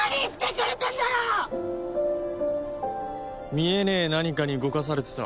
見えねえ何かに動かされてた。